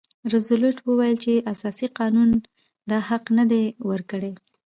روزولټ وویل چې اساسي قانون دا حق نه دی ورکړی.